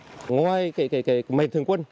lực lượng công an tại đây đã dùng gây khó khăn